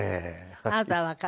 あなたはわかる？